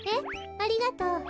ありがとう。